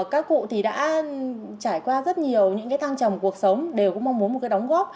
các cụ đã trải qua rất nhiều những thăng trầm cuộc sống đều cũng mong muốn một cái đóng góp